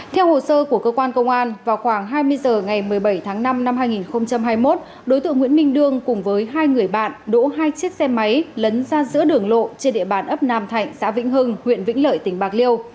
theo hồ sơ của cơ quan công an vào khoảng hai mươi h ngày một mươi bảy tháng năm năm hai nghìn hai mươi một đối tượng nguyễn minh đương cùng với hai người bạn đổ hai chiếc xe máy lấn ra giữa đường lộ trên địa bàn ấp nam thạnh xã vĩnh hưng huyện vĩnh lợi tỉnh bạc liêu